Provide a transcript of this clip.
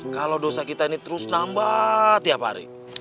kalau dosa kita ini terus nambah tiap hari